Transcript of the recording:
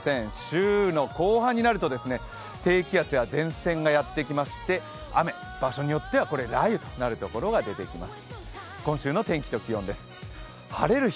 週の後半になると低気圧や前線がやってきまして雨、場所によっては雷雨となるところが出てきます。